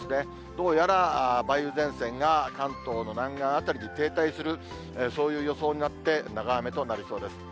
どうやら梅雨前線が関東の南岸辺りに停滞する、そういう予想になって、長雨となりそうです。